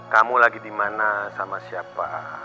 kamu lagi dimana sama siapa